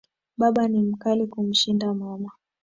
Baba ni mkali kumshinda mama